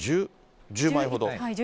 １０枚ほど。